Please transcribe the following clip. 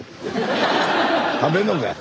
食べんのかい。